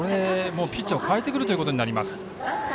ピッチャーを代えてくるということになります。